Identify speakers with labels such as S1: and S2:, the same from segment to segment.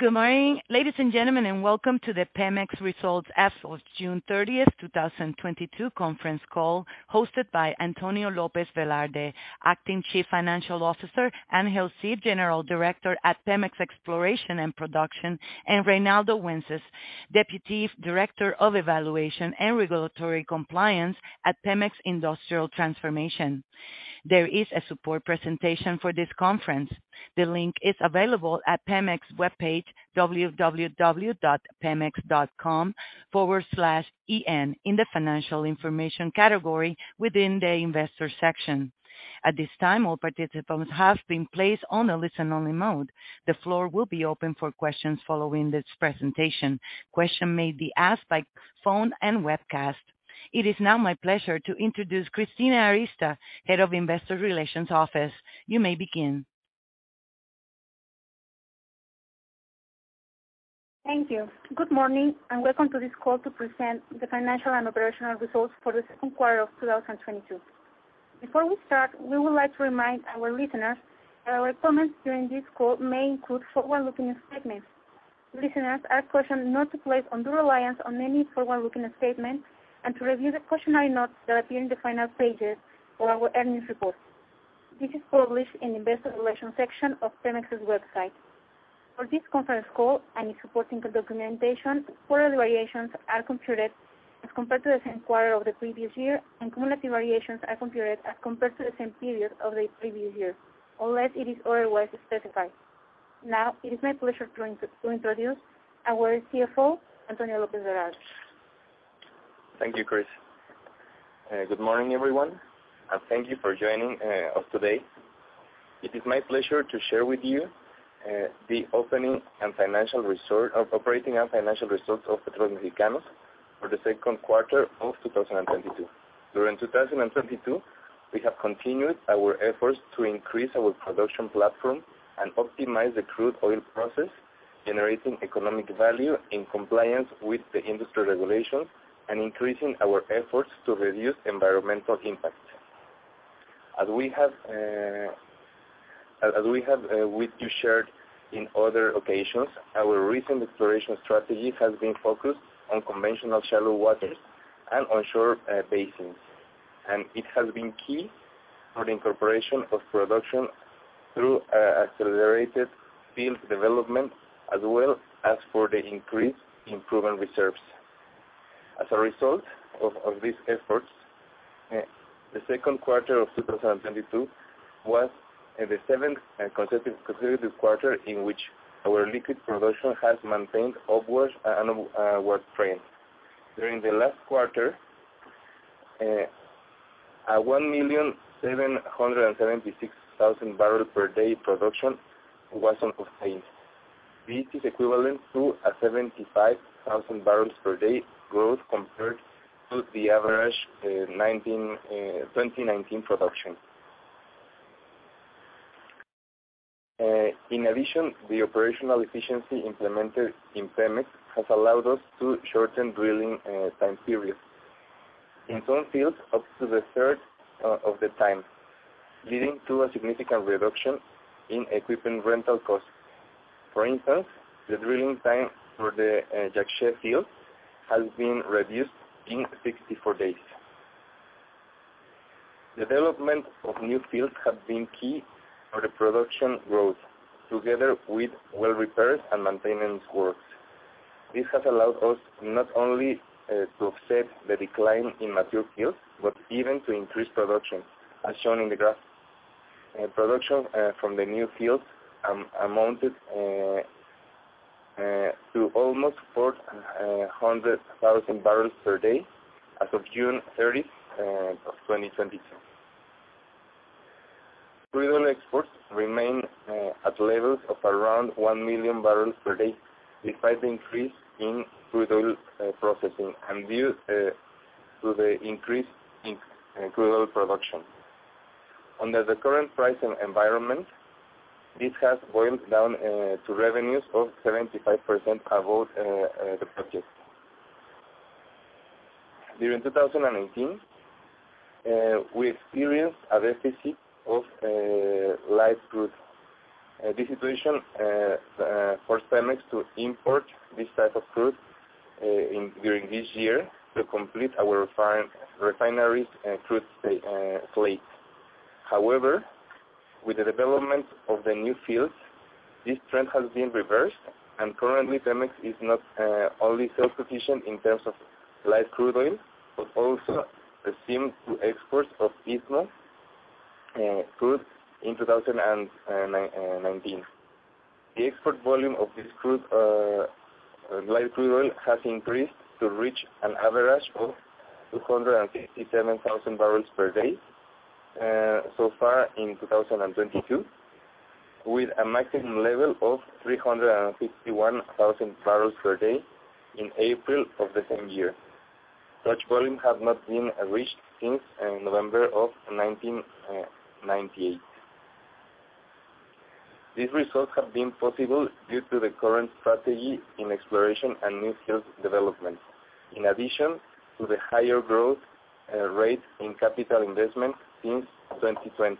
S1: Good morning, ladies and gentlemen, and welcome to the PEMEX Results as of June 30th, 2022 conference call hosted by Antonio Lopez Velarde, Acting Chief Financial Officer, Ángel Cid Munguía, Director General at Pemex Exploración y Producción, and Reinaldo Wences, Subdirector of Evaluation and Regulatory Compliance at Pemex Transformación Industrial. There is a support presentation for this conference. The link is available at PEMEX webpage www.pemex.com/en in the Financial Information category within the Investor section. At this time, all participants have been placed on a listen only mode. The floor will be open for questions following this presentation. Questions may be asked by phone and webcast. It is now my pleasure to introduce Cristina Arista, Head of Investor Relations Office. You may begin.
S2: Thank you. Good morning, and welcome to this call to present the financial and operational results for the second quarter of 2022. Before we start, we would like to remind our listeners that our comments during this call may include forward-looking statements. Listeners are cautioned not to place undue reliance on any forward-looking statements and to review the cautionary notes that appear in the final pages of our earnings report. This is published in the Investor Relations section of PEMEX's website. For this conference call and its supporting documentation, quarter variations are computed as compared to the same quarter of the previous year, and cumulative variations are computed as compared to the same period of the previous year, unless it is otherwise specified. Now, it is my pleasure to introduce our CFO, Antonio Lopez Velarde.
S3: Thank you, Cris. Good morning, everyone, and thank you for joining us today. It is my pleasure to share with you the operating and financial results of Petróleos Mexicanos for the second quarter of 2022. During 2022, we have continued our efforts to increase our production platform and optimize the crude oil process, generating economic value in compliance with the industry regulations and increasing our efforts to reduce environmental impact. As we have shared with you in other occasions, our recent exploration strategy has been focused on conventional shallow waters and onshore basins. It has been key for the incorporation of production through accelerated field development as well as for the increased improvement reserves. As a result of these efforts, the second quarter of 2022 was the seventh consecutive quarter in which our liquid production has maintained an upward trend. During the last quarter, 1,776,000 barrels per day production was obtained. This is equivalent to a 75,000 barrels per day growth compared to the average 2019 production. In addition, the operational efficiency implemented in PEMEX has allowed us to shorten drilling time periods. In some fields, up to a third of the time, leading to a significant reduction in equipment rental costs. For instance, the drilling time for the Ixachi field has been reduced in 64 days. Development of new fields have been key for the production growth, together with well repairs and maintenance works. This has allowed us not only to offset the decline in mature fields, but even to increase production, as shown in the graph. Production from the new fields amounted to almost 400,000 barrels per day as of June 30, 2022. Crude oil exports remain at levels of around one million barrels per day, despite the increase in crude oil processing and due to the increase in crude oil production. Under the current pricing environment, this has boiled down to revenues of 75% above the budget. During 2018, we experienced a deficit of light crude. This situation forced PEMEX to import this type of crude during this year to complete our refinery's crude slate. However, with the development of the new fields, this trend has been reversed, and currently, PEMEX is not only self-sufficient in terms of light crude oil, but also resumed to exports of Isthmus crude in 2019. The export volume of this crude light crude oil has increased to reach an average of 257,000 barrels per day so far in 2022, with a maximum level of 351,000 barrels per day in April of the same year. Such volume has not been reached since November 1998. These results have been possible due to the current strategy in exploration and new wells development, in addition to the higher growth rate in capital investment since 2020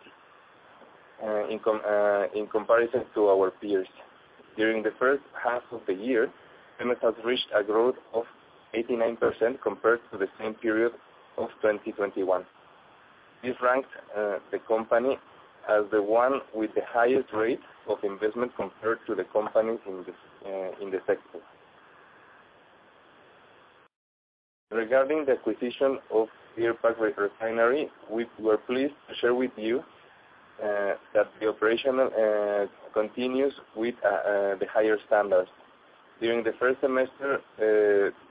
S3: in comparison to our peers. During the first half of the year, PEMEX has reached a growth of 89% compared to the same period of 2021. This ranks the company as the one with the highest rate of investment compared to the companies in the sector. Regarding the acquisition of Deer Park Refinery, we're pleased to share with you that the operation continues with the higher standards. During the first semester,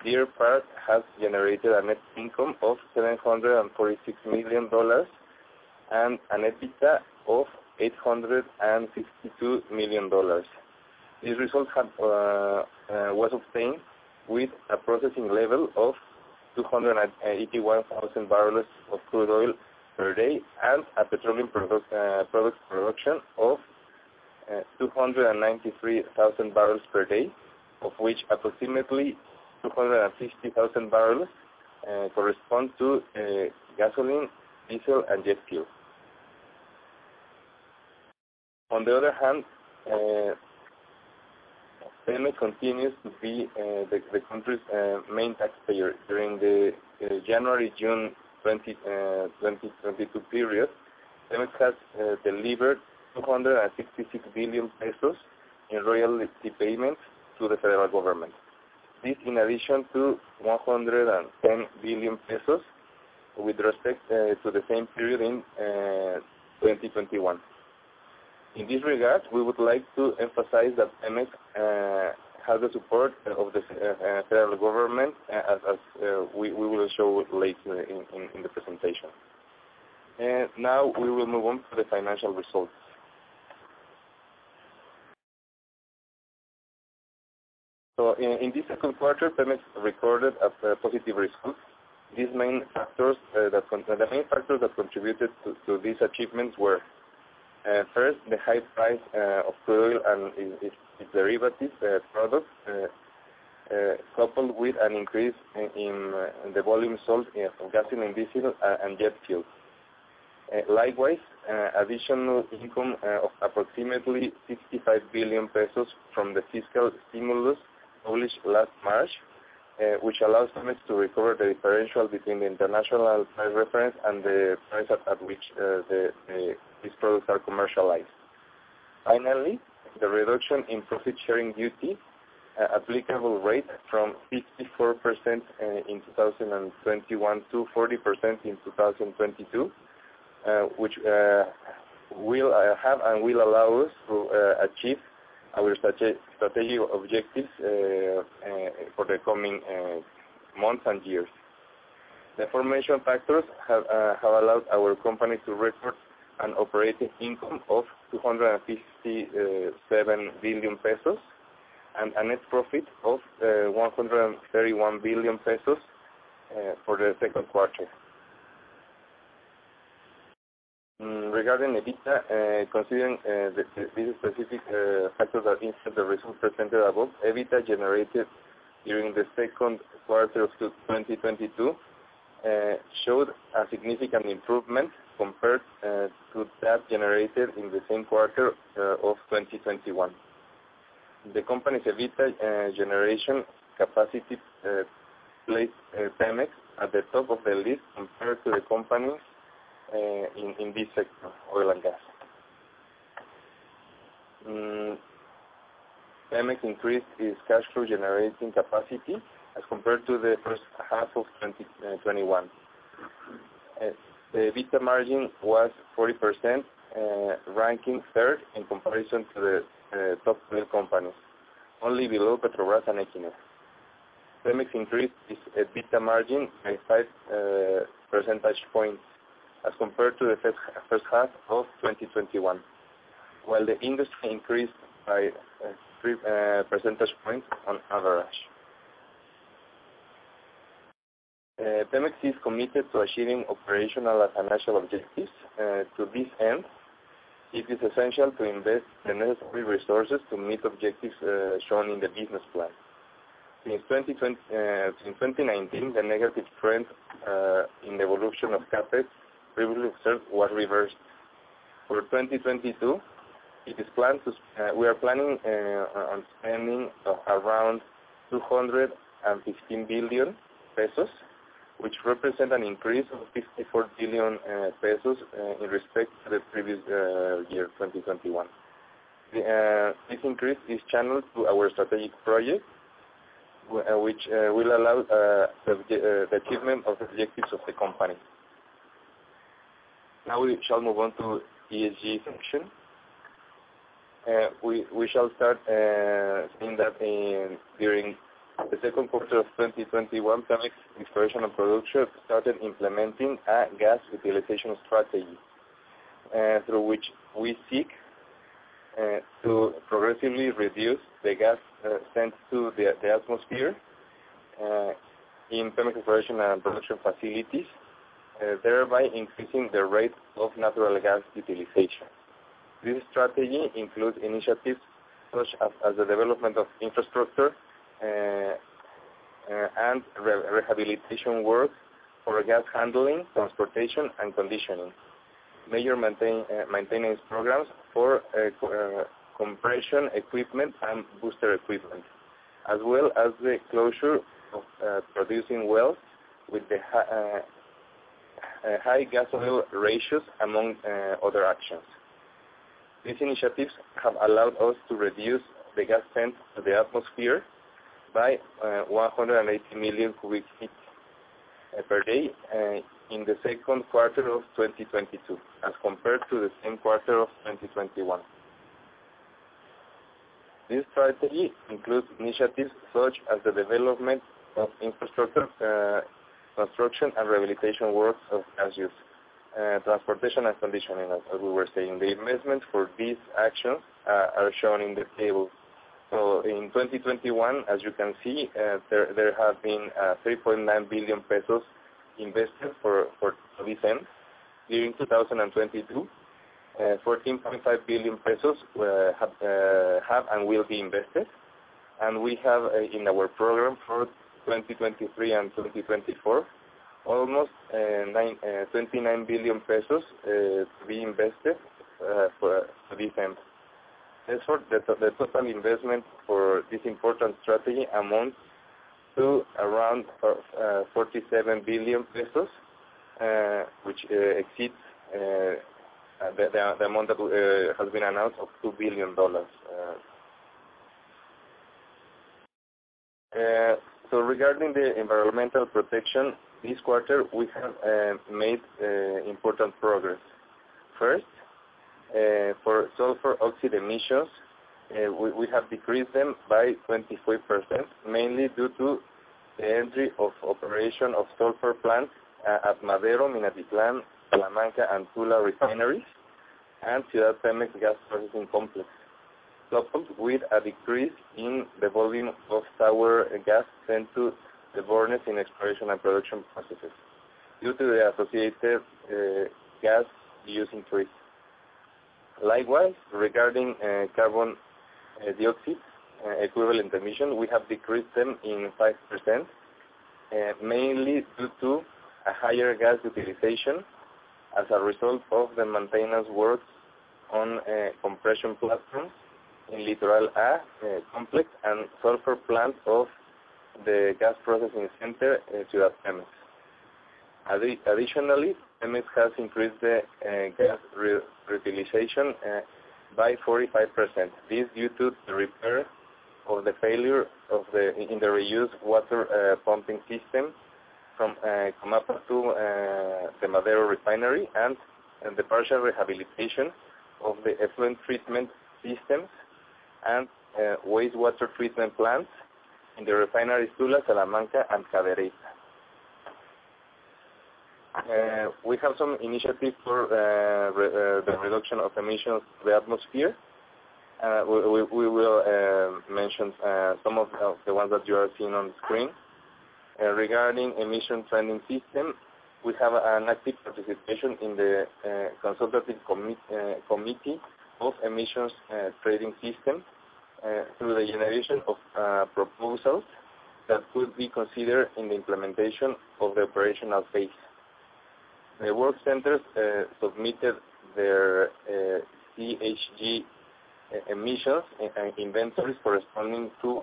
S3: Deer Park has generated a net income of $746 million and an EBITDA of $862 million. These results was obtained with a processing level of 281,000 barrels of crude oil per day and a petroleum product production of 293,000 barrels per day, of which approximately 260,000 barrels correspond to gasoline, diesel, and jet fuel. On the other hand, PEMEX continues to be the country's main taxpayer. During the January-June 2022 period, PEMEX has delivered 266 billion pesos in royalty payments to the federal government. This in addition to 110 billion pesos with respect to the same period in 2021. In this regard, we would like to emphasize that PEMEX has the support of the federal government as we will show later in the presentation. Now we will move on to the financial results. In this second quarter, PEMEX recorded a positive result. The main factors that contributed to these achievements were first, the high price of crude oil and its derivatives products coupled with an increase in the volume sold in gasoline, diesel, and jet fuel. Likewise, additional income of approximately 65 billion pesos from the fiscal stimulus published last March, which allows PEMEX to recover the differential between the international price reference and the price at which these products are commercialized. Finally, the reduction in profit sharing duty, an applicable rate from 54% in 2021 to 40% in 2022, which will have and will allow us to achieve our strategic objectives for the coming months and years. The aforementioned factors have allowed our company to record an operating income of 257 billion pesos and a net profit of 131 billion pesos for the second quarter. Regarding EBITDA, considering the specific factors and instances of results presented above, EBITDA generated during the second quarter of 2022 showed a significant improvement compared to that generated in the same quarter of 2021. The company's EBITDA generation capacity placed PEMEX at the top of the list compared to the companies in this sector, oil and gas. PEMEX increased its cash flow generating capacity as compared to the first half of 2021. The EBITDA margin was 40%, ranking third in comparison to the top oil companies, only below Petrobras and Equinor. PEMEX increased its EBITDA margin by 5 percentage points as compared to the first half of 2021, while the industry increased by 3 percentage points on average. PEMEX is committed to achieving operational and financial objectives. To this end, it is essential to invest the necessary resources to meet objectives shown in the business plan. Since 2019, the negative trend in the evolution of CapEx previously observed was reversed. For 2022, we are planning on spending around 215 billion pesos, which represent an increase of 54 billion pesos in respect to the previous year, 2021. This increase is channeled through our strategic projects which will allow the achievement of the objectives of the company. Now we shall move on to ESG section. We shall start saying that during the second quarter of 2021, Pemex Exploración y Producción started implementing a gas utilization strategy through which we seek to progressively reduce the gas sent to the atmosphere in Pemex Exploración y Producción facilities, thereby increasing the rate of natural gas utilization. This strategy includes initiatives such as the development of infrastructure and rehabilitation work for gas handling, transportation and conditioning, major maintenance programs for compression equipment and booster equipment, as well as the closure of producing wells with the high gas oil ratios, among other actions. These initiatives have allowed us to reduce the gas sent to the atmosphere by 180 million cubic feet per day in the second quarter of 2022, as compared to the same quarter of 2021. This strategy includes initiatives such as the development of infrastructure, construction and rehabilitation works of gas use, transportation and conditioning, as we were saying. The investments for these actions are shown in the table. In 2021, as you can see, there have been 3.9 billion pesos invested for this end. During 2022, 14.5 billion pesos were, have, and will be invested. We have in our program for 2023 and 2024 almost 29 billion pesos to be invested for this end. Therefore, total investment for this important strategy amounts to around 47 billion pesos, which exceeds the amount that has bee n announced of $2 billion. Regarding the environmental protection, this quarter we have made important progress. First, for sulfur oxide emissions, we have decreased them by 23%, mainly due to the entry into operation of sulfur plants at Madero, Minatitlán, Salamanca, and Tula refineries, and Ciudad Pemex Gas Processing Complex, coupled with a decrease in the volume of sour gas sent to the burners in exploration and production processes due to the associated gas use increase. Likewise, regarding carbon dioxide equivalent emissions, we have decreased them by 5%, mainly due to a higher gas utilization as a result of the maintenance works on compression platforms in Litoral A complex and sulfur plant of the gas processing center in Ciudad Pemex. Additionally, Pemex has increased the gas reutilization by 45%. This due to the repair of the failure in the reused water pumping system from Comapa to the Madero refinery and the partial rehabilitation of the effluent treatment systems and wastewater treatment plants in the refineries Tula, Salamanca and Cadereyta. We have some initiatives for the reduction of emissions to the atmosphere. We will mention some of the ones that you are seeing on screen. Regarding emissions trading system, we have an active participation in the consultative committee of emissions trading system through the generation of proposals that could be considered in the implementation of the operational phase. The work centers submitted their GHG emissions and inventories corresponding to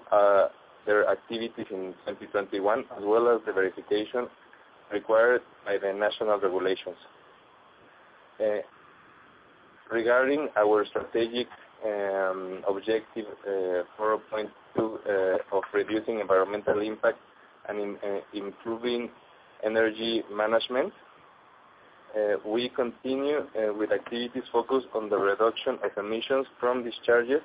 S3: their activities in 2021, as well as the verification required by the national regulations. Regarding our strategic objective 4.2 of reducing environmental impact and improving energy management, we continue with activities focused on the reduction of emissions from discharges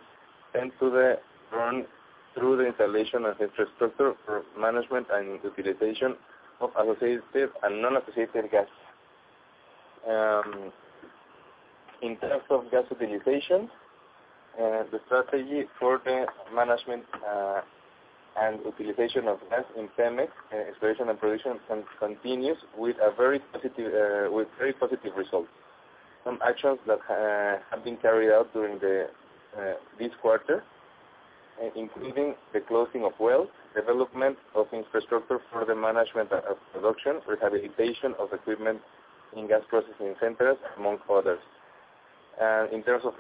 S3: sent to the burn through the installation of infrastructure for management and utilization of associated and non-associated gas. In terms of gas utilization, the strategy for the management and utilization of gas in Pemex Exploración y Producción continues with very positive results. Some actions that have been carried out during this quarter, including the closing of wells, development of infrastructure for the management of production, rehabilitation of equipment in gas processing centers, among others. In terms of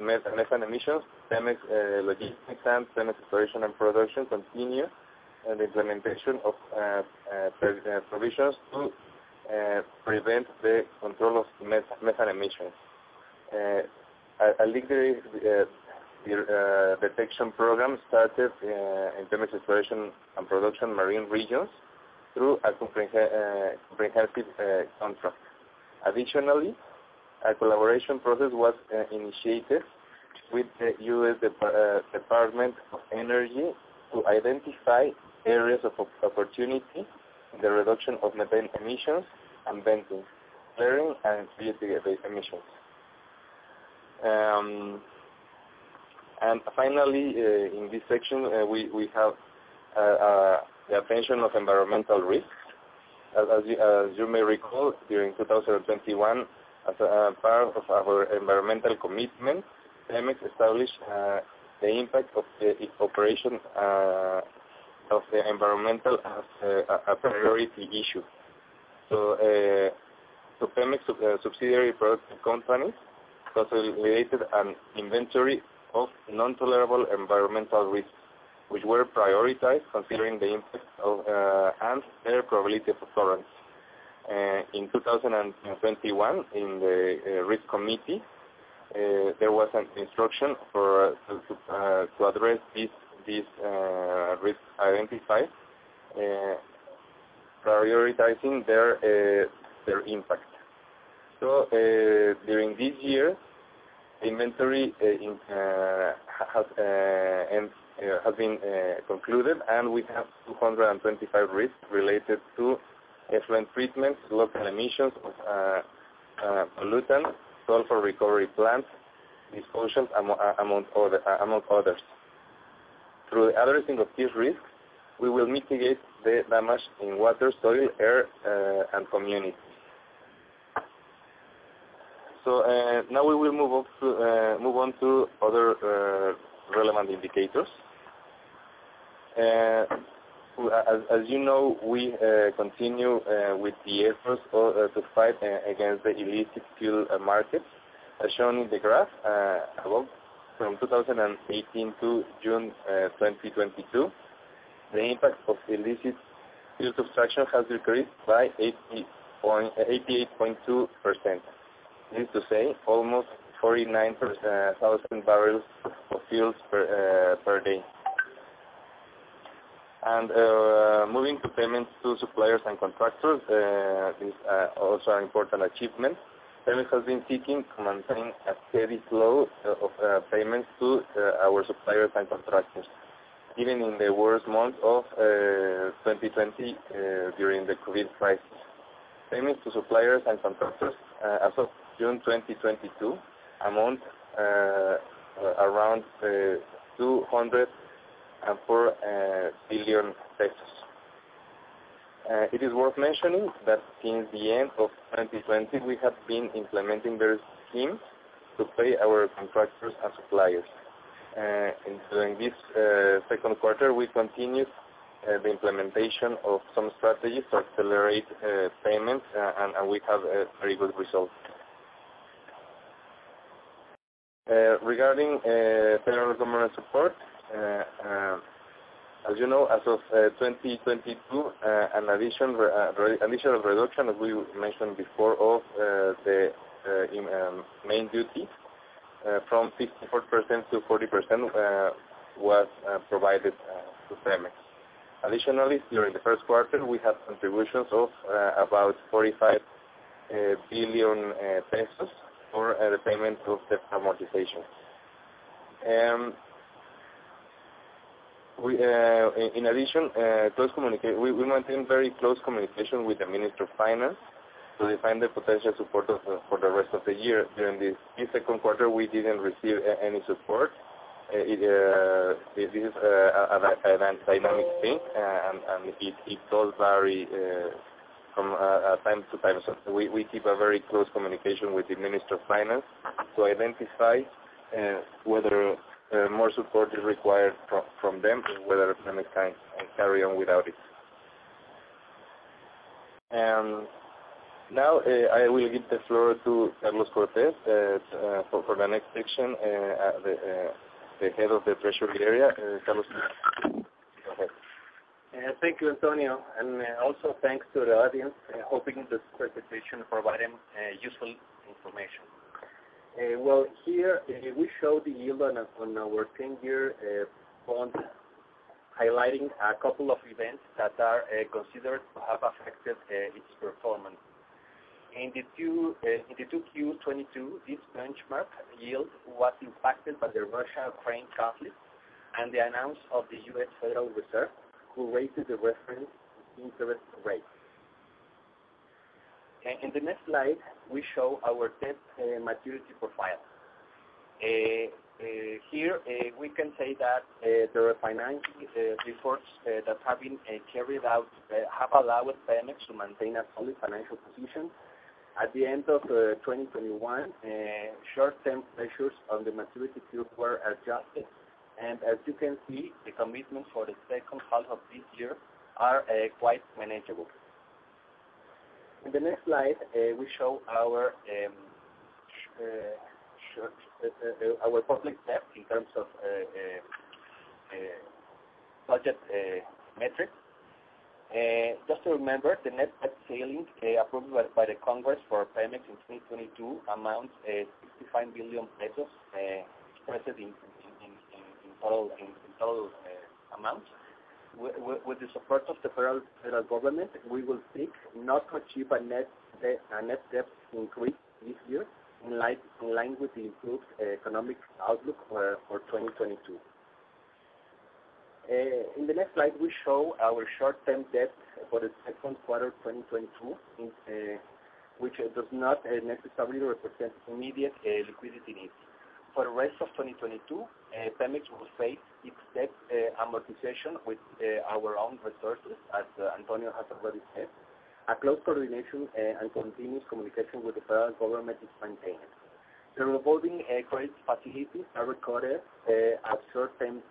S3: methane emissions, Pemex Logística and Pemex Exploración y Producción continue an implementation of provisions to prevent and control methane emissions. A leakage detection program started in Pemex Exploración y Producción marine regions through a comprehensive contract. Additionally, a collaboration process was initiated with the US Department of Energy to identify areas of opportunity in the reduction of methane emissions and venting, flaring and fugitive emissions. Finally, in this section, we have the attention to environmental risk. As you may recall, during 2021, as a part of our environmental commitment, PEMEX established the impact of the operations on the environment as a priority issue. PEMEX subsidiary product companies facilitated an inventory of non-tolerable environmental risks, which were prioritized considering the impact and their probability of occurrence. In 2021, in the risk committee, there was an instruction to address these risks identified, prioritizing their impact. During this year, an inventory has been concluded, and we have 225 risks related to effluent treatment, local emissions of pollutants, sulfur recovery plants, disclosures among others. Through addressing of these risks, we will mitigate the damage in water, soil, air, and community. Now we will move on to other relevant indicators. As you know, we continue with the efforts to fight against the illicit fuel markets. As shown in the graph above, from 2018-June 2022, the impact of illicit fuel subtraction has decreased by 88.2%. Needless to say, almost 49,000 barrels of fuels per day. Moving to payments to suppliers and contractors, this also an important achievement. PEMEX has been seeking maintaining a steady flow of payments to our suppliers and contractors, even in the worst month of 2020, during the COVID crisis. Payments to suppliers and contractors as of June 2022 amount around 204 billion pesos. It is worth mentioning that since the end of 2020, we have been implementing various schemes to pay our contractors and suppliers. During this second quarter, we continued the implementation of some strategies to accelerate payments, and we have very good results. Regarding federal government support, as you know, as of 2022, an additional reduction that we mentioned before of the main duty from 54%-40% was provided to PEMEX. Additionally, during the first quarter, we had contributions of about 45 billion pesos for the payment of debt amortization. In addition, we maintain very close communication with the Minister of Finance to define the potential support for the rest of the year. During this second quarter, we didn't receive any support. It is a dynamic thing, and it does vary from time to time. We keep a very close communication with the Minister of Finance to identify whether more support is required from them or whether PEMEX can carry on without it. Now, I will give the floor to Carlos Cortez for the next section, the head of the Treasury area. Carlos, go ahead.
S4: Thank you, Antonio. Also thanks to the audience, hoping this presentation providing useful information. Here, we show the yield on our 10-year bond, highlighting a couple of events that are considered to have affected its performance. In 2Q 2022, this benchmark yield was impacted by the Russia-Ukraine conflict and the announcement of the Federal Reserve System, who raised the reference interest rates. In the next slide, we show our debt maturity profile. Here, we can say that the refinancing efforts that have been carried out have allowed PEMEX to maintain a solid financial position. At the end of 2021, short-term maturities on the maturity profile were adjusted. As you can see, the commitments for the second half of this year are quite manageable. In the next slide, we show our public debt in terms of budget metrics. Just to remember, the net debt ceiling approved by the Congress for PEMEX in 2022 amounts 65 billion pesos, expressed in total amounts. With the support of the federal government, we will seek not to achieve a net debt increase this year, in line with the improved economic outlook for 2022. In the next slide, we show our short-term debt for the second quarter 2022, which does not necessarily represent immediate liquidity needs. For the rest of 2022, Pemex will face its debt amortization with our own resources, as Antonio has already said. A close coordination and continuous communication with the federal government is maintained. The revolving credit facilities are recorded as short-term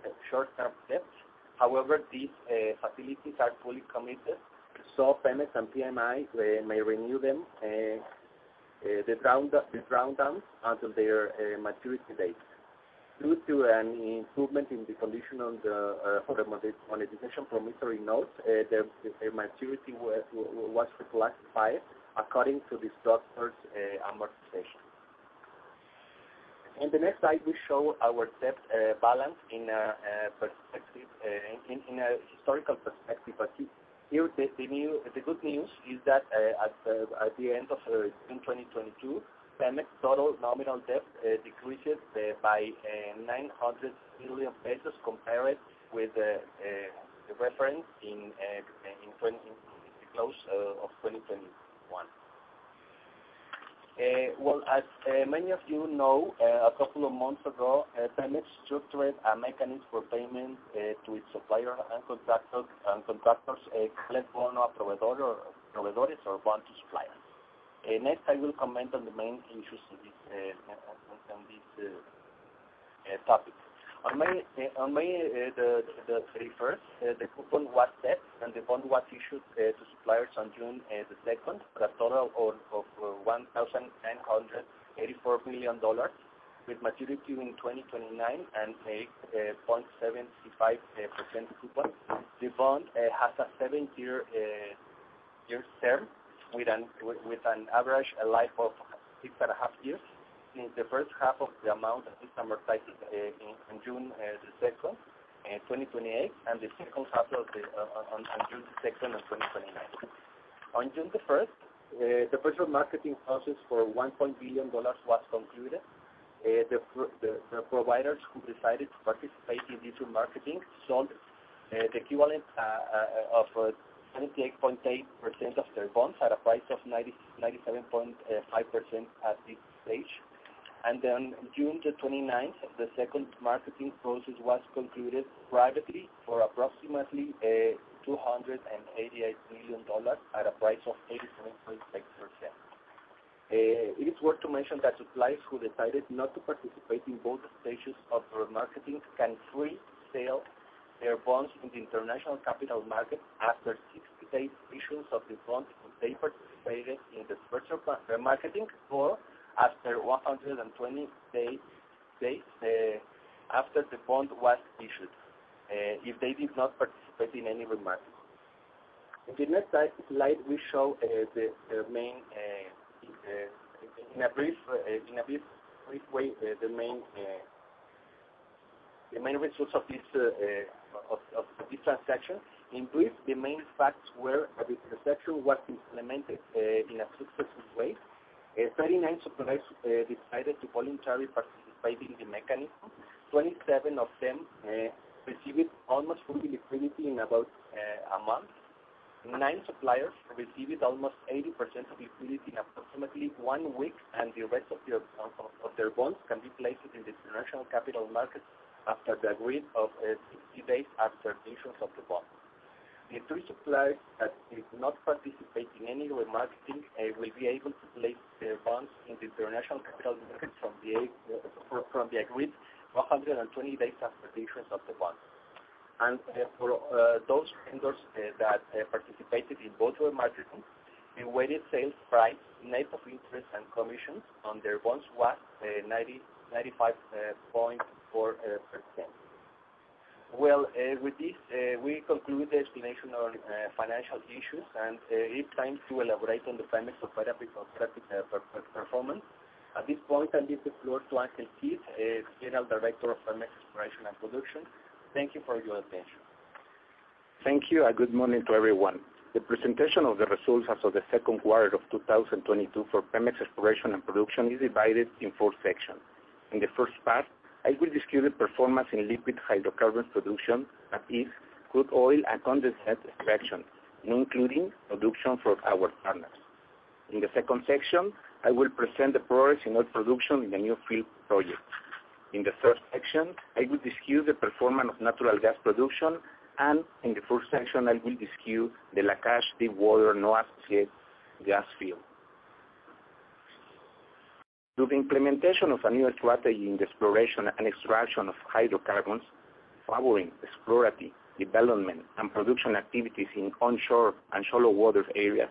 S4: debts. However, these facilities are fully committed, so Pemex and PMI may renew the drawdowns until their maturity dates. Due to an improvement in the condition of the monetization promissory notes, their maturity was reclassified according to the straight-line amortization. In the next slide, we show our debt balance in a historical perspective. Here the good news is that at the end of June 2022, Pemex total nominal debt decreased by 900 billion pesos compared with the reference in the close of 2021. As many of you know, a couple of months ago, Pemex structured a mechanism for payment to its supplier and contractors. Next, I will comment on the main issues of this topic. On May 31st, the coupon was set, and the bond was issued to suppliers on June 2 for a total of $1,984 million with maturity in 2029 and a 0.75% coupon. The bond has a seven-year term with an average life of six and a half years. The first half of the amount is amortized in June 2028, and the second half on June 2, 2029. On June 1, the first marketing process for $1 billion was concluded. The providers who decided to participate in this remarketing sold the equivalent of 78.8% of their bonds at a price of 99.5% at this stage. On June 29, the second marketing process was concluded privately for approximately $288 million at a price of 87.6%. It is worth to mention that suppliers who decided not to participate in both stages of remarketing can freely sell their bonds in the international capital market after 60 days issuance of the bond if they participated in the virtual remarketing, or after 120 days after the bond was issued if they did not participate in any remarketing. In the next slide we show, in a brief way, the main results of this transaction. In brief, the main facts were that the transaction was implemented in a successful way. 39 suppliers decided to voluntarily participate in the mechanism. 27 of them received almost full liquidity in about a month. nine suppliers received almost 80% of liquidity in approximately one week, and the rest of their bonds can be placed in the international capital markets after the agreed 60 days after issuance of the bond. The three suppliers that did not participate in any remarketing will be able to place their bonds in the international capital markets from the agreed 120 days after the issuance of the bond. For those vendors that participated in both remarketing, the weighted sales price, net of interest and commissions on their bonds was 95.4%. With this, we conclude the explanation on financial issues, and it's time to elaborate on the Pemex Exploración y Producción performance. At this point, I leave the floor to Ángel Cid Munguía, General Director of Pemex Exploración y Producción. Thank you for your attention.
S5: Thank you, and good morning to everyone. The presentation of the results as of the second quarter of 2022 for Pemex Exploración y Producción is divided in four sections. In the first part, I will discuss the performance in liquid hydrocarbon production, that is crude oil and condensate extraction, not including production for our partners. In the second section, I will present the progress in oil production in the new field projects. In the third section, I will discuss the performance of natural gas production. In the fourth section, I will discuss the Lakach deep water non-associated gas field. Through the implementation of a new strategy in the exploration and extraction of hydrocarbons, following exploratory development and production activities in onshore and shallow water areas,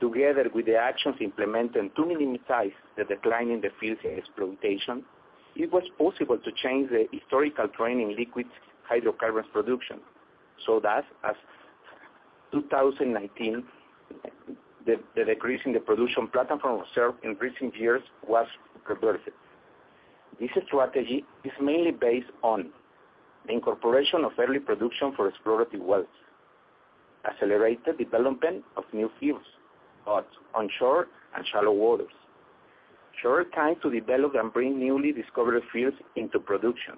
S5: together with the actions implemented to minimize the decline in the fields' exploitation, it was possible to change the historical trend in liquid hydrocarbons production so that as of 2019, the decrease in the production platform reserve in recent years was reverted. This strategy is mainly based on the incorporation of early production for exploratory wells, accelerated development of new fields, both onshore and shallow waters. Shorter time to develop and bring newly discovered fields into production.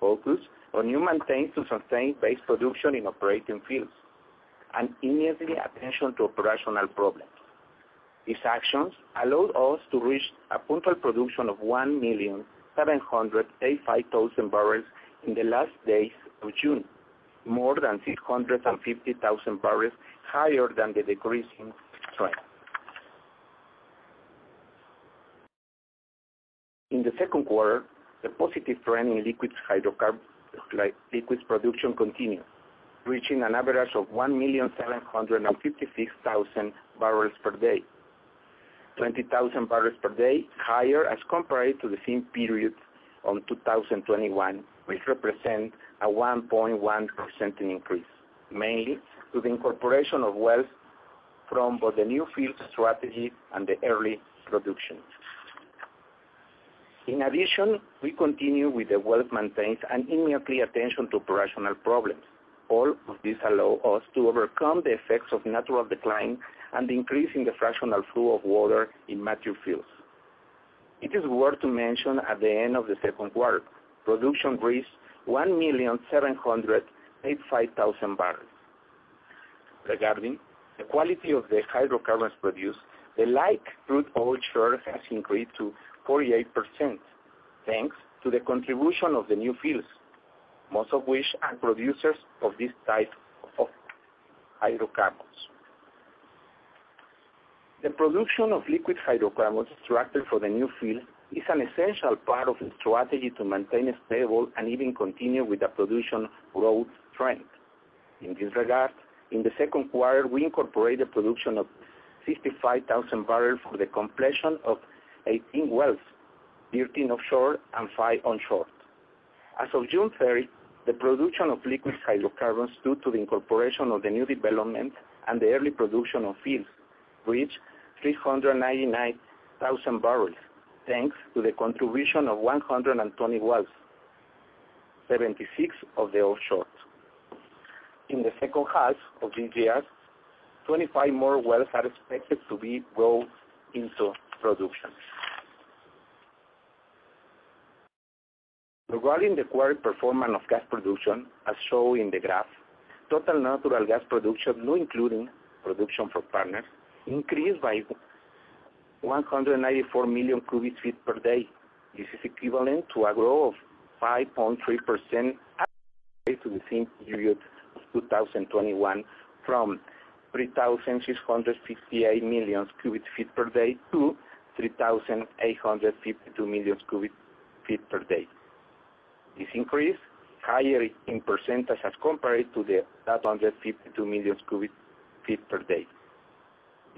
S5: Focus on new maintenance to sustain base production in operating fields, and immediate attention to operational problems. These actions allowed us to reach a total production of 1,785,000 barrels in the last days of June, more than 650,000 barrels higher than the decreasing trend. In the second quarter, the positive trend in liquids hydrocarbon, like liquids production continued, reaching an average of 1,756,000 barrels per day. 20,000 barrels per day higher as compared to the same period on 2021, which represent a 1.1% increase, mainly to the incorporation of wells from both the new field strategy and the early production. In addition, we continue with the well maintenance and immediately attention to operational problems. All of this allow us to overcome the effects of natural decline and increase in the fractional flow of water in mature fields. It is worth to mention at the end of the second quarter, production reached 1,785,000 barrels. Regarding the quality of the hydrocarbons produced, the light crude oil share has increased to 48% thanks to the contribution of the new fields, most of which are producers of this type of hydrocarbons. The production of liquid hydrocarbons structured for the new field is an essential part of the strategy to maintain a stable and even continue with the production growth trend. In this regard, in the second quarter, we incorporated production of 65,000 barrels for the completion of 18 wells, 13 offshore and five onshore. As of June 30, the production of liquid hydrocarbons due to the incorporation of the new development and the early production of fields reached 399,000 barrels, thanks to the contribution of 120 wells, 76 of the offshore. In the second half of this year, 25 more wells are expected to go into production. Regarding the quarter performance of gas production, as shown in the graph, total natural gas production, not including production for partners, increased by 194 million cubic feet per day. This is equivalent to a growth of 5.3% to the same period of 2021 from 3,658 million cubic feet per day to 3,852 million cubic feet per day. This increase higher in percentage as compared to the 352 million cubic feet per day.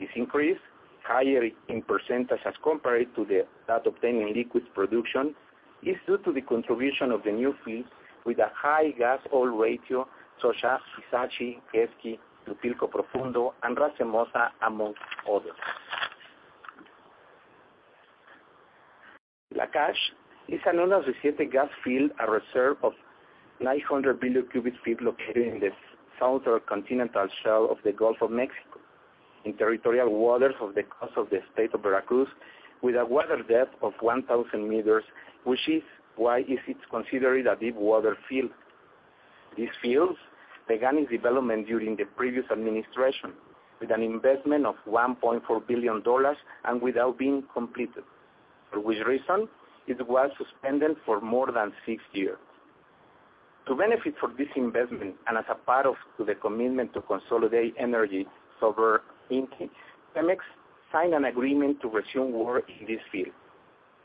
S5: This increase higher in percentage as compared to that obtained in liquids production is due to the contribution of the new fields with a high gas-oil ratio, such as Ixachi, Esqúi, Tupilco Profundo, and Racemosa, among others. Lakach is a non-associated gas field, a reserve of 900 billion cubic feet located in the southern continental shelf of the Gulf of Mexico, in territorial waters off the coast of the state of Veracruz, with a water depth of 1,000 meters, which is why it is considered a deepwater field. These fields began its development during the previous administration with an investment of $1.4 billion and without being completed. For which reason, it was suspended for more than six years. To benefit from this investment, and as a part of the commitment to consolidate energy sovereignty, Pemex signed an agreement to resume work in this field.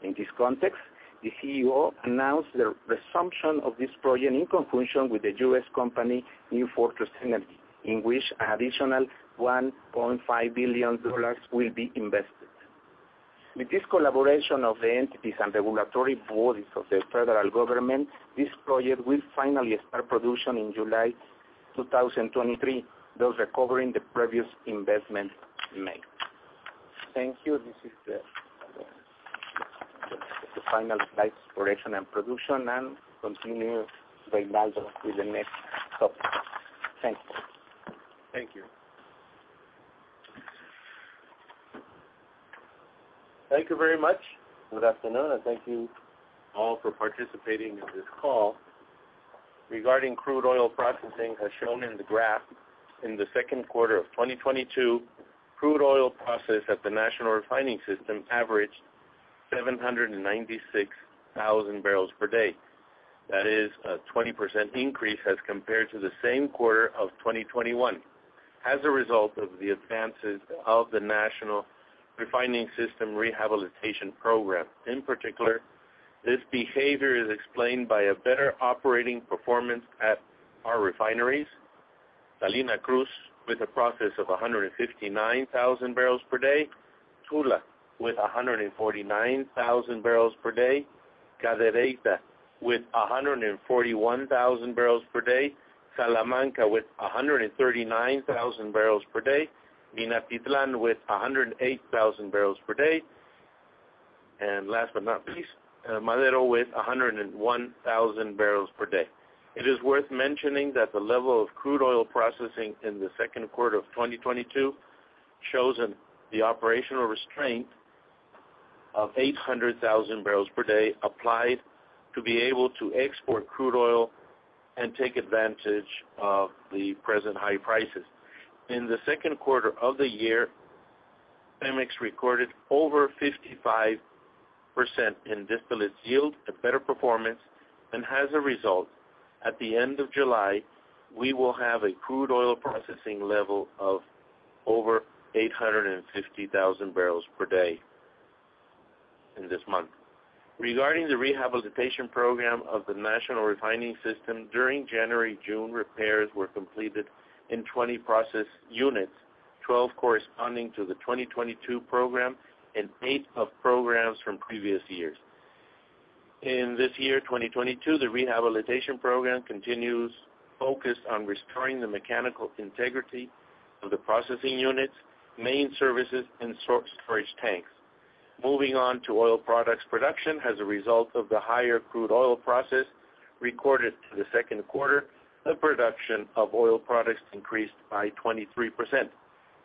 S5: In this context, the CEO announced the resumption of this project in conjunction with the US company New Fortress Energy, in which an additional $1.5 billion will be invested. With this collaboration of the entities and regulatory bodies of the federal government, this project will finally start production in July 2023, thus recovering the previous investment made. Thank you. This is the final slides for exploration and production, and continue, Reynaldo, with the next topic. Thank you.
S6: Thank you. Thank you very much. Good afternoon, and thank you all for participating in this call. Regarding crude oil processing, as shown in the graph, in the second quarter of 2022, crude oil processed at the National Refining System averaged 796,000 barrels per day. That is a 20% increase as compared to the same quarter of 2021. As a result of the advances of the National Refining System Rehabilitation Program, in particular, this behavior is explained by a better operating performance at our refineries. Salina Cruz with a processing of 159,000 barrels per day, Tula with 149,000 barrels per day, Cadereyta with 141,000 barrels per day, Salamanca with 139,000 barrels per day, Minatitlán with 108,000 barrels per day, and last but not least, Madero with 101,000 barrels per day. It is worth mentioning that the level of crude oil processing in the second quarter of 2022 shows the operational constraint of 800,000 barrels per day applied to be able to export crude oil and take advantage of the present high prices. In the second quarter of the year, Pemex recorded over 55% in distillate yield, a better performance, and as a result, at the end of July, we will have a crude oil processing level of over 850,000 barrels per day in this month. Regarding the National Refining System Rehabilitation Program, during January-June, repairs were completed in 20 process units, 12 corresponding to the 2022 program and eight of programs from previous years. In this year, 2022, the rehabilitation program continues focused on restoring the mechanical integrity of the processing units, main services, and storage tanks. Moving on to oil products production. As a result of the higher crude oil prices recorded in the second quarter, the production of oil products increased by 23%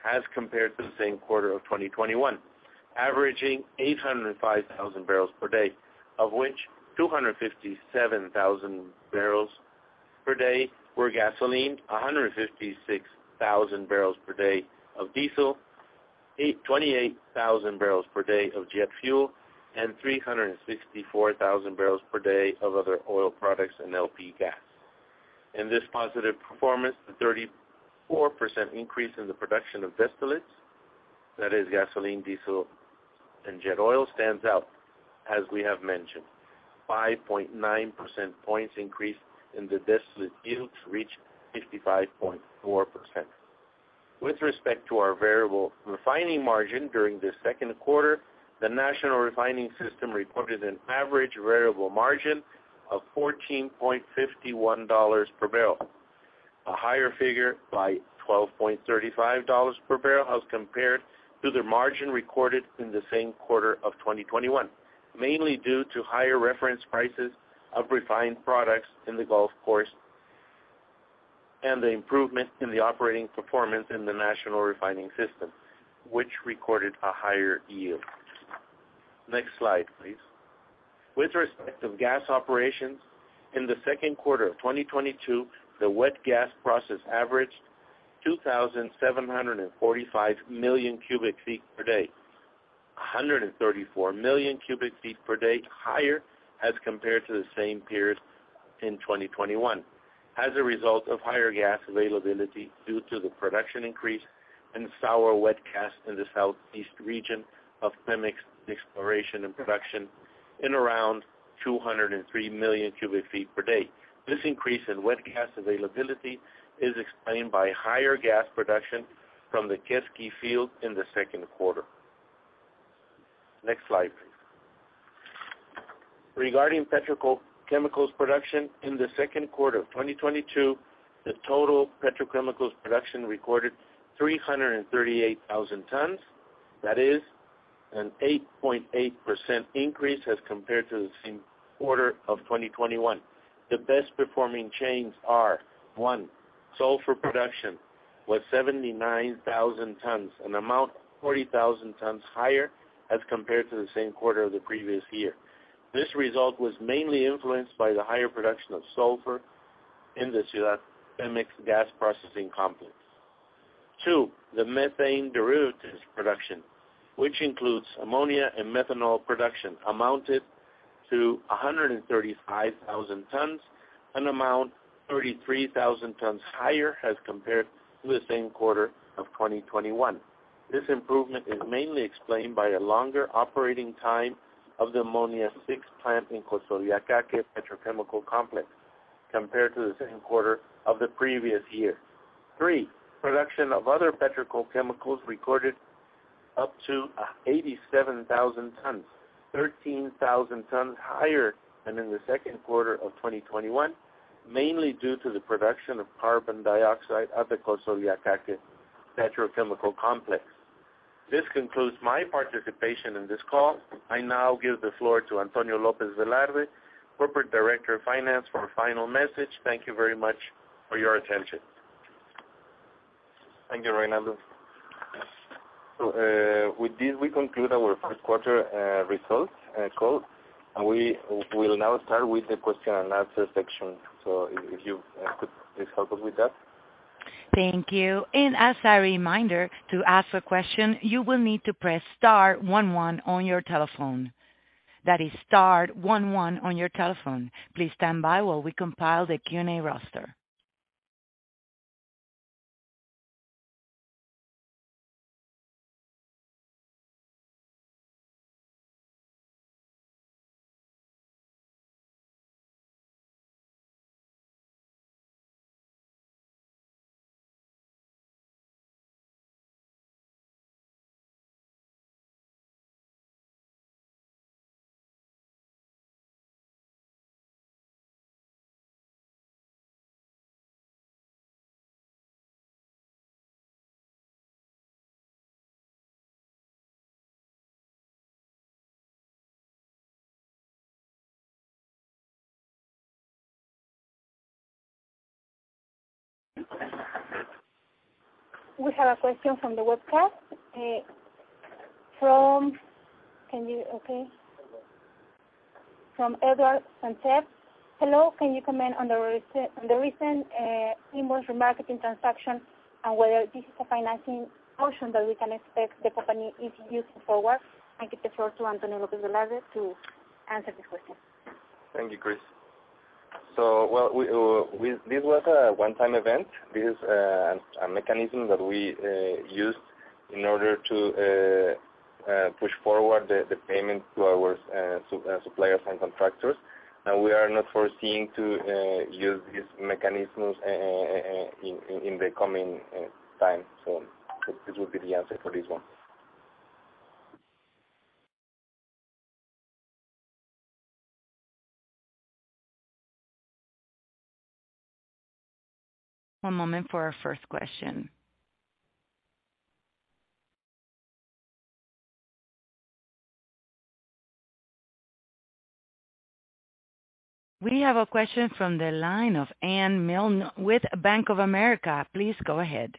S6: as compared to the same quarter of 2021, averaging 805,000 barrels per day, of which 257,000 barrels per day were gasoline, 156,000 barrels per day of diesel, 28,000 barrels per day of jet fuel, and 364,000 barrels per day of other oil products and LP gas. In this positive performance, the 34% increase in the production of distillates, that is gasoline, diesel, and jet fuel, stands out, as we have mentioned. 5.9 Percentage points increase in the distillate yield to reach 55.4%. With respect to our variable refining margin during the second quarter, the National Refining System reported an average variable margin of $14.51 per barrel. A higher figure by $12.35 per barrel as compared to the margin recorded in the same quarter of 2021, mainly due to higher reference prices of refined products in the Gulf Coast and the improvement in the operating performance in the National Refining System, which recorded a higher yield. Next slide, please. With respect to gas operations, in the second quarter of 2022, the wet gas process averaged 2,745 million cubic feet per day. 134 million cubic feet per day higher as compared to the same period in 2021. As a result of higher gas availability due to the production increase in sour wet gas in the southeast region of Pemex's exploration and production in around 203 million cubic feet per day. This increase in wet gas availability is explained by higher gas production from the Quesqui field in the second quarter. Next slide, please. Regarding petrochemicals production, in the second quarter of 2022, the total petrochemicals production recorded 338,000 tons. That is an 8.8% increase as compared to the same quarter of 2021. The best performing chains are, one, sulfur production was 79,000 tons, an amount 40,000 tons higher as compared to the same quarter of the previous year. This result was mainly influenced by the higher production of sulfur in the Ciudad Pemex gas processing complex. Two, the methane derivatives production, which includes ammonia and methanol production, amounted to 135,000 tons, an amount 33,000 tons higher as compared to the same quarter of 2021. This improvement is mainly explained by a longer operating time of the Ammonia VI plant in Cosoleacaque Petrochemical Complex compared to the second quarter of the previous year. Three, production of other petrochemicals recorded up to 87,000 tons, 13,000 tons higher than in the second quarter of 2021, mainly due to the production of carbon dioxide at the Cosoleacaque Petrochemical Complex. This concludes my participation in this call. I now give the floor to Antonio López Velarde, Corporate Director of Finance, for a final message. Thank you very much for your attention.
S3: Thank you, Reinaldo. With this, we conclude our first quarter results call. We will now start with the question and answer section. If you could please help us with that.
S1: Thank you. As a reminder, to ask a question, you will need to press star one one on your telephone. That is star one one on your telephone. Please stand by while we compile the Q&A roster.
S2: We have a question from the webcast. From Eduardo Sánchez. Hello. Can you comment on the recent invoice remarketing transaction and whether this is a financing option that we can expect the company is using going forward? I give the floor to Antonio López Velarde to answer this question.
S3: Thank you, Chris. This was a one-time event. This is a mechanism that we used in order to push forward the payment to our suppliers and contractors. We are not foreseeing to use these mechanisms in the coming time. This would be the answer for this one.
S1: One moment for our first question. We have a question from the line of Anne Milne with Bank of America. Please go ahead.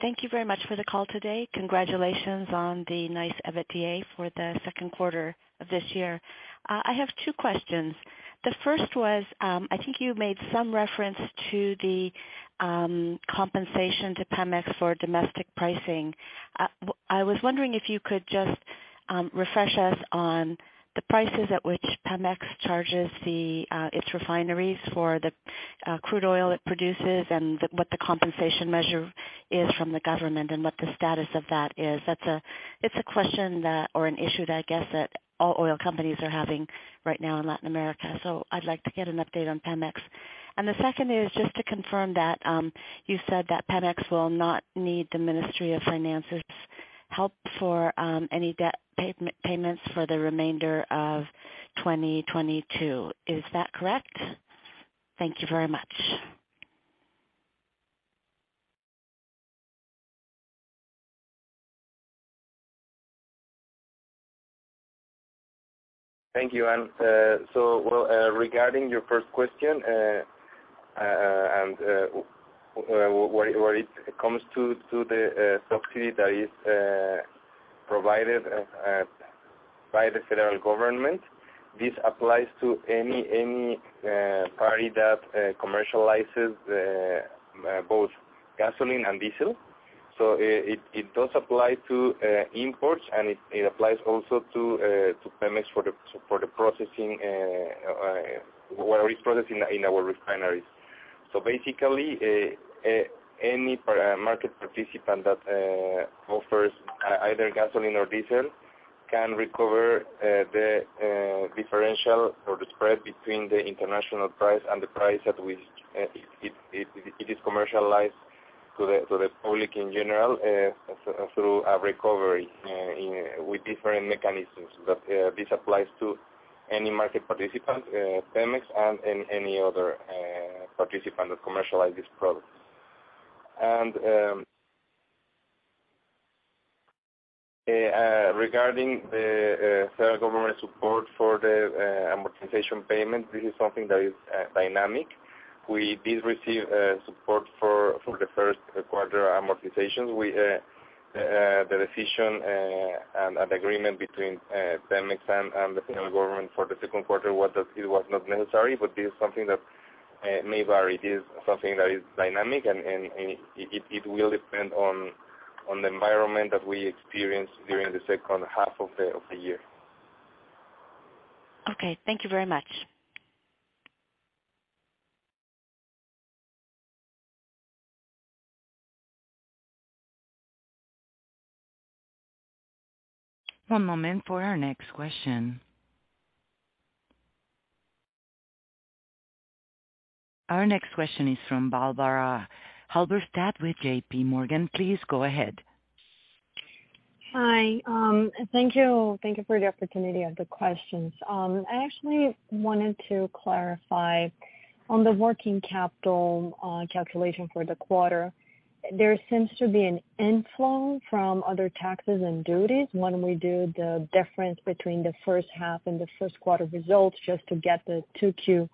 S7: Thank you very much for the call today. Congratulations on the nice EBITDA for the second quarter of this year. I have two questions. The first was, I think you made some reference to the compensation to PEMEX for domestic pricing. I was wondering if you could just refresh us on the prices at which PEMEX charges its refineries for the crude oil it produces and what the compensation measure is from the government and what the status of that is. That's a question or an issue that I guess all oil companies are having right now in Latin America. I'd like to get an update on PEMEX. The second is just to confirm that you said that PEMEX will not need the Ministry of Finance's help for any debt payments for the remainder of 2022. Is that correct? Thank you very much.
S3: Thank you, Anne. Regarding your first question and where it comes to the subsidy that is provided by the federal government, this applies to any party that commercializes both gasoline and diesel. It does apply to imports, and it applies also to PEMEX for the processing. Oil is processed in our refineries. Basically, any market participant that offers either gasoline or diesel can recover the differential or the spread between the international price and the price at which it is commercialized to the public in general through a recovery with different mechanisms. This applies to any market participant, PEMEX and any other participant that commercialize these products. Regarding the federal government support for the amortization payment, this is something that is dynamic. We did receive support for the first quarter amortization. The decision and an agreement between PEMEX and the federal government for the second quarter was that it was not necessary. This is something that may vary. It is something that is dynamic and it will depend on the environment that we experience during the second half of the year.
S7: Okay. Thank you very much.
S1: One moment for our next question. Our next question is from Barbara Halberstadt with JPMorgan. Please go ahead.
S8: Hi. Thank you. Thank you for the opportunity and the questions. I actually wanted to clarify on the working capital calculation for the quarter. There seems to be an inflow from other taxes and duties when we do the difference between the first half and the first quarter results just to get the 2Q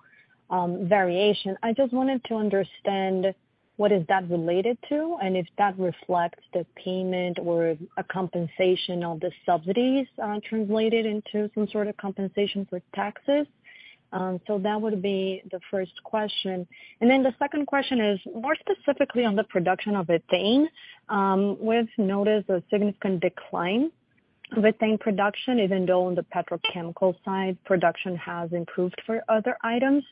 S8: variation. I just wanted to understand what is that related to, and if that reflects the payment or a compensation of the subsidies translated into some sort of compensation for taxes. That would be the first question. The second question is more specifically on the production of ethane. We've noticed a significant decline of ethane production even though on the petrochemical side, production has improved for other items.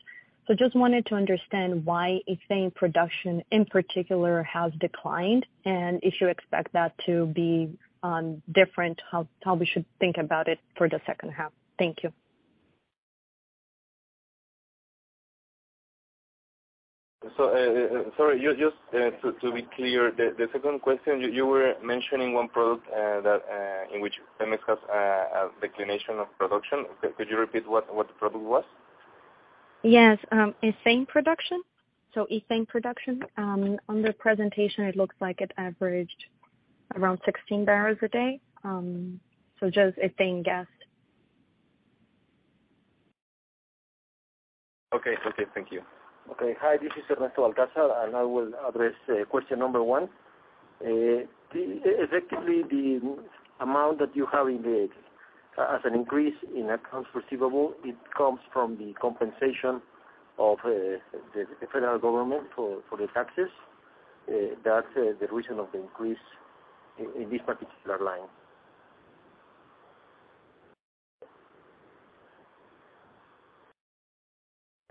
S8: Just wanted to understand why ethane production in particular has declined, and if you expect that to be different, how we should think about it for the second half. Thank you.
S3: Sorry, just to be clear, the second question, you were mentioning one product that in which PEMEX has a decline of production. Could you repeat what the product was?
S8: Yes. Ethane production. Ethane production, on the presentation, it looks like it averaged around 16 barrels a day. Just ethane gas.
S3: Okay. Thank you.
S9: Okay. Hi, this is Ernesto Balcázar, and I will address question number one. Effectively, the amount that you have in there as an increase in accounts receivable, it comes from the compensation of the federal government for the taxes. That's the reason of the increase in this particular line.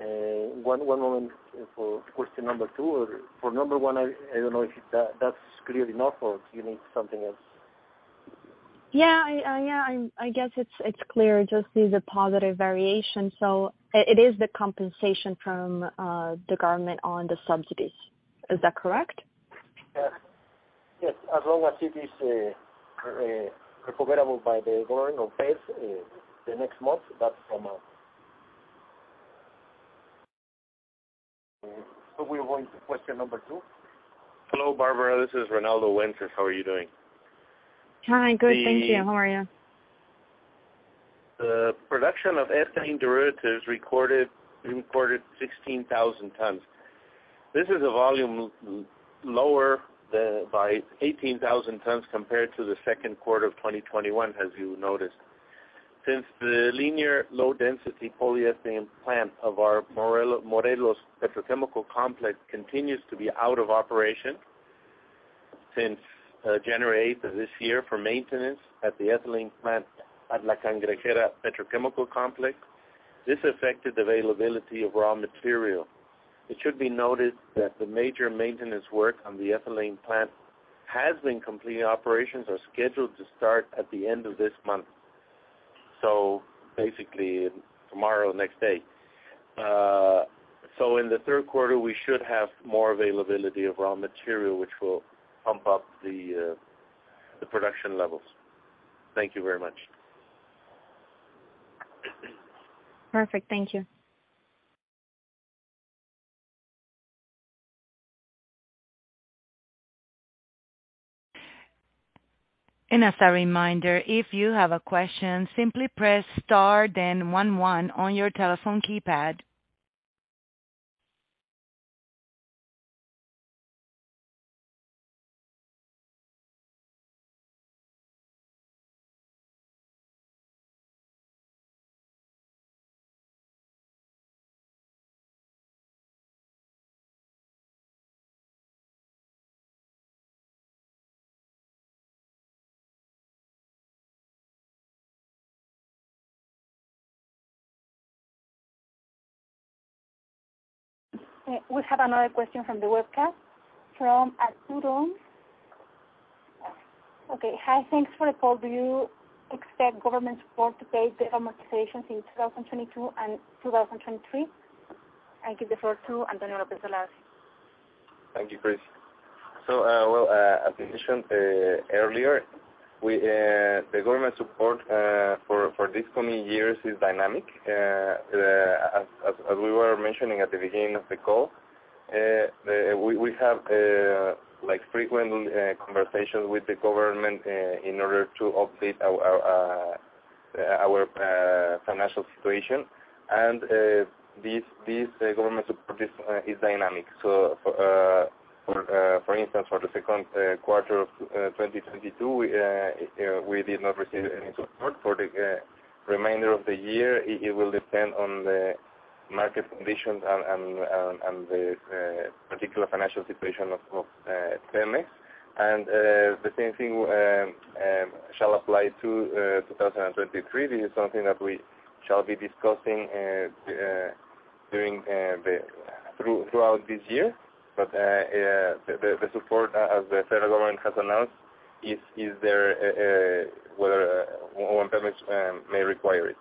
S9: One moment for question number two. For number one, I don't know if that's clear enough or you need something else.
S8: Yeah. I guess it's clear. Just is a positive variation, so it is the compensation from the government on the subsidies. Is that correct?
S9: Yes. As long as it is recoverable by the government or paid the next month, that's from. We're going to question number two.
S6: Hello, Barbara. This is Reinaldo Wences. How are you doing?
S8: Hi. Good.
S6: The-
S8: Thank you. How are you?
S6: The production of ethane derivatives recorded 16,000 tons. This is a volume lower by 18,000 tons compared to the second quarter of 2021, as you noticed. Since the linear low density polyethylene plant of our Morelos Petrochemical Complex continues to be out of operation since January eighth of this year for maintenance at the ethylene plant at La Cangrejera Petrochemical Complex, this affected availability of raw material. It should be noted that the major maintenance work on the ethylene plant has been completed. Operations are scheduled to start at the end of this month. Basically tomorrow, next day. In the third quarter, we should have more availability of raw material, which will pump up the production levels. Thank you very much.
S8: Perfect. Thank you.
S1: As a reminder, if you have a question, simply press star then one on your telephone keypad.
S2: We have another question from the webcast from Arturo. Okay. "Hi. Thanks for the call. Do you expect government support to pay the amortizations in 2022 and 2023?" I give the floor to Antonio Lopez Velarde.
S3: Thank you, Cris. Well, as we mentioned earlier, the government support for these coming years is dynamic. As we were mentioning at the beginning of the call, we have like frequent conversations with the government in order to update our financial situation. This government support is dynamic. For instance, for the second quarter of 2022, we did not receive any support. For the remainder of the year, it will depend on the market conditions and the particular financial situation of Pemex. The same thing shall apply to 2023. This is something that we shall be discussing throughout this year. The support as the federal government has announced is there whether when Pemex may require it.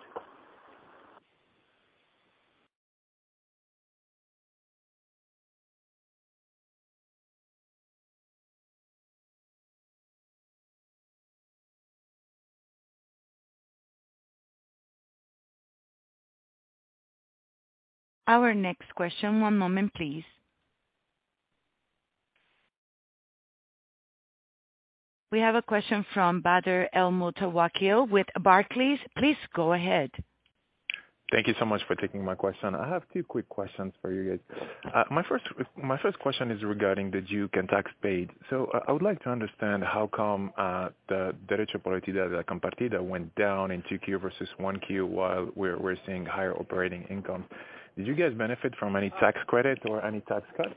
S1: Our next question. One moment, please. We have a question from Badr El Moutawakil with Barclays. Please go ahead.
S10: Thank you so much for taking my question. I have two quick questions for you guys. My first question is regarding the DUC and tax paid. I would like to understand how come the Derecho de Utilidad Compartida went down in 2Q versus 1Q while we're seeing higher operating income. Did you guys benefit from any tax credit or any tax cut?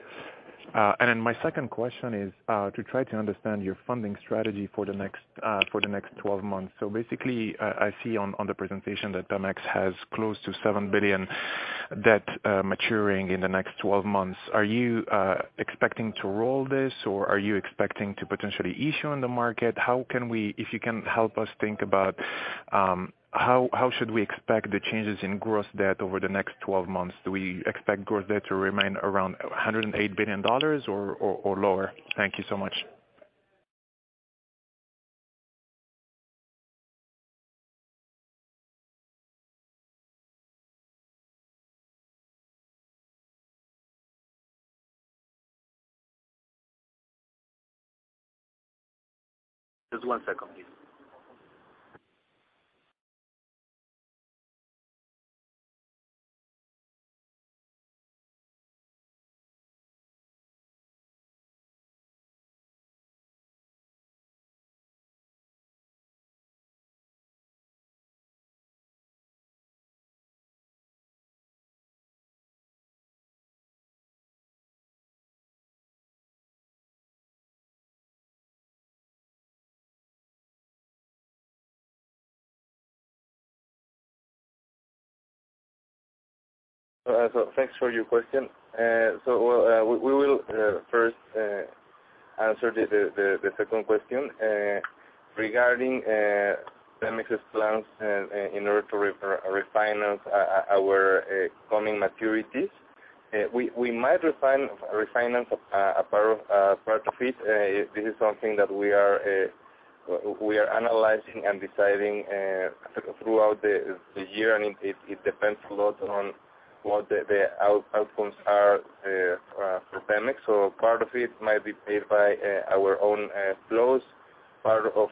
S10: My second question is to try to understand your funding strategy for the next 12 months. Basically, I see on the presentation that PEMEX has close to 7 billion debt maturing in the next 12 months. Are you expecting to roll this or are you expecting to potentially issue on the market? How can we If you can help us think about how should we expect the changes in gross debt over the next 12 months? Do we expect gross debt to remain around $108 billion or lower? Thank you so much.
S4: Just one second please.
S3: Thanks for your question. Well, we will first answer the second question. Regarding Pemex's plans in order to refinance our coming maturities. We might refinance a part of it. This is something that we are analyzing and deciding throughout the year. It depends a lot on what the outcomes are for Pemex. Part of it might be paid by our own flows. Part of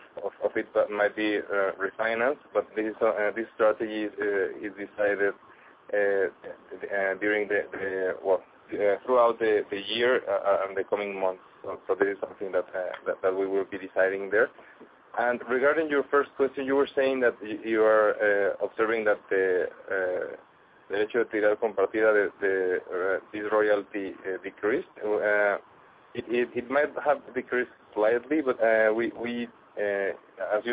S3: it might be refinanced. This strategy is decided well throughout the year and the coming months. This is something that we will be deciding there. Regarding your first question, you were saying that you are observing that this royalty decreased. It might have decreased slightly, but as you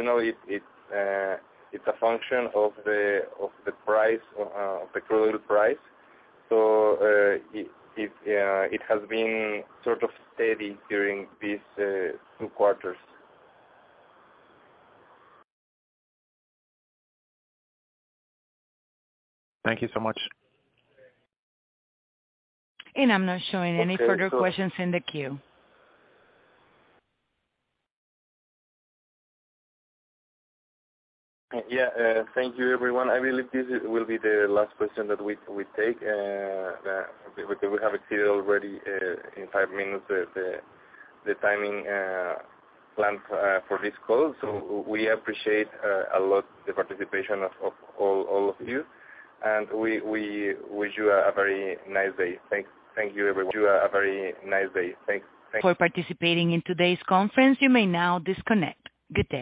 S3: know, it's a function of the crude oil price. It has been sort of steady during these two quarters.
S10: Thank you so much.
S1: I'm not showing any further questions in the queue.
S3: Yeah. Thank you, everyone. I believe this will be the last question that we take. We have exceeded already in five minutes the timing planned for this call. We appreciate a lot the participation of all of you. We wish you a very nice day. Thank you, everyone. Wish you a very nice day. Thank you.
S1: For participating in today's conference, you may now disconnect. Goodbye.